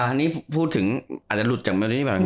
อันนี้พูดถึงอาจจะหลุดจากเมื่อนี้แบบนี้